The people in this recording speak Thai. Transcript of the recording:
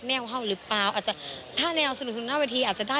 แววเห่าหรือเปล่าอาจจะถ้าแนวสนุกหน้าเวทีอาจจะได้